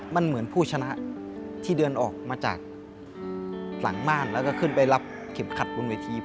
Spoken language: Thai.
มันเหมือนผู้ชนะที่เดินออกมาจากหลังบ้านแล้วก็ขึ้นไปรับเข็มขัดบนเวที